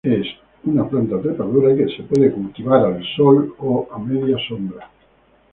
Es una planta trepadora que se puede cultivar en el sol o media sombra.